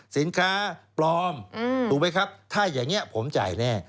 สินค้าปลอมถูกไหมครับถ้าอย่างนี้ผมจ่ายแน่